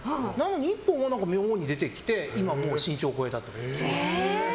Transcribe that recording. でも１本は妙に出てきて今もう身長を超えた。